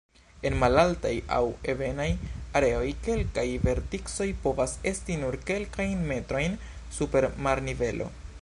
En malaltaj aŭ ebenaj areoj kelkaj verticoj povas esti nur kelkajn metrojn super marnivelo.